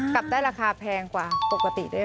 กลับได้ราคาแพงกว่าปกติด้วย